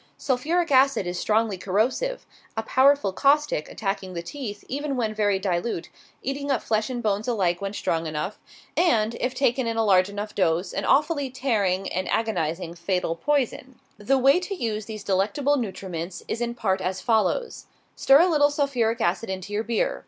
Sulphuric acid is strongly corrosive, a powerful caustic, attacking the teeth, even when very dilute; eating up flesh and bones alike when strong enough; and, if taken in a large enough dose, an awfully tearing and agonizing fatal poison. The way to use these delectable nutriments is in part as follows: Stir a little sulphuric acid into your beer.